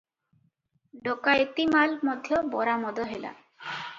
ଡକାଏତି ମାଲ ମଧ୍ୟ ବରାମଦ ହେଲା ।